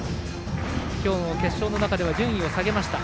今日の決勝の中では順位を下げました。